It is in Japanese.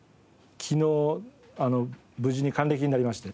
昨日無事に還暦になりまして。